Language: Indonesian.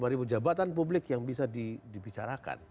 dua ribu jabatan publik yang bisa dibicarakan